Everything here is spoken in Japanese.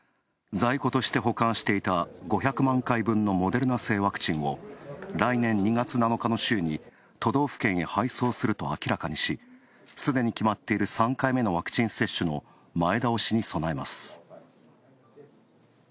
在庫として保管していた５００万回分のモデルナ製ワクチンを、来年２月７日の週に都道府県に配送すると明らかにし、すでに決まっている３回目のワクチン接種の前倒しに備えます。